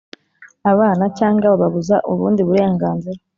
abana cyangwa bababuza ubundi burenganzira